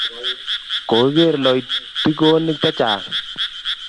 kokiker loitikonik che chang